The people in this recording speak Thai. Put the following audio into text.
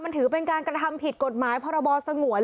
มันถือเป็นการกระทำผิดกฎหมายพรบสงวน